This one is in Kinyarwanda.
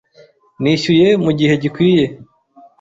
Nishyuye mugihe gikwiye.